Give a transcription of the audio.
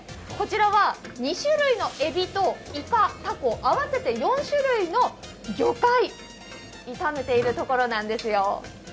こちらは、２種類のエビとイカ、タコ、合わせて４種類の魚介を炒めているところなんですよ。